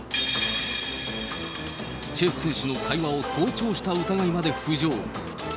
チェ選手の会話を盗聴した疑いまで浮上。